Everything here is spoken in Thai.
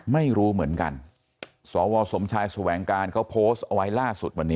ไม่รู้เหมือนกันสวสมชายแสวงการเขาโพสต์เอาไว้ล่าสุดวันนี้